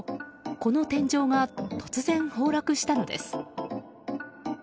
この天井が突然、崩落したのです。